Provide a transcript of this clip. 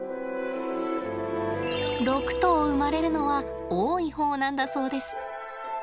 ６頭生まれるのは多い方なんだそうです。